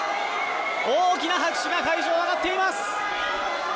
大きな拍手が会場に上がっています。